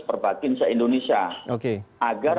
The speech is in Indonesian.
perbakin se indonesia agar